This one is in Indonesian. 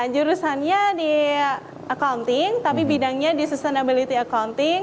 jurusannya di accounting tapi bidangnya di sustainability accounting